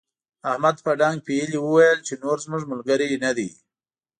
احمد په ډانګ پېيلې وويل چې نور زموږ ملګری نه دی.